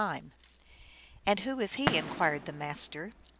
121 " And who is he ?" inquired the Master.